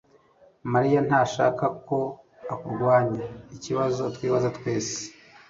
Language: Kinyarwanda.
mariya ntashaka ko akurwanya ikibazo twibaza